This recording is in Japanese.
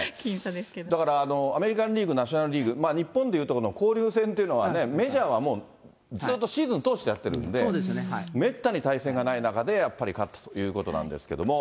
だからアメリカンリーグ、ナショナルリーグ、日本で言うところの交流戦というのはね、メジャーはもう、ずっとシーズン通してやってるんで、めったに対戦がない中でやっぱり勝ったということなんですけれども。